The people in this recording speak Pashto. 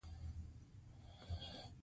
نه پوهېدم چې څو شپې بې سده وم.